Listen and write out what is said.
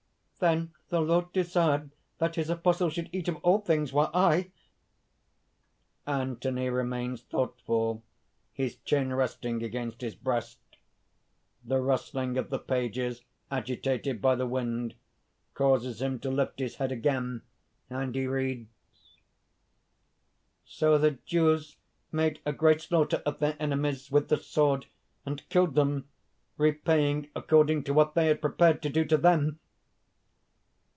'_ "Then the Lord desired that his apostle should eat of all things?... while I...." (_Anthony remains thoughtful, his chin resting against his breast. The rustling of the pages, agitated by the wind, causes him to lift his head again; and he reads_:) _'So the Jews made a great slaughter of their enemies with the sword, and killed them, repaying according to what they had prepared to do to them....